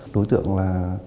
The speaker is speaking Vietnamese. đối tượng là